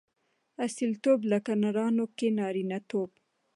اصیلتوب؛ لکه نرانو کښي نارينه توب.